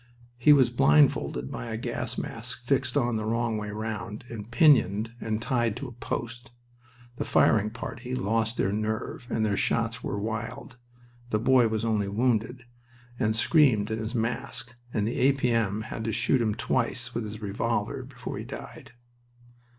He was blindfolded by a gas mask fixed on the wrong way round, and pinioned, and tied to a post. The firing party lost their nerve and their shots were wild. The boy was only wounded, and screamed in his mask, and the A.P.M. had to shoot him twice with his revolver before he died.